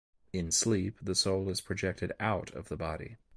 In sleep the soul is projected out of the body.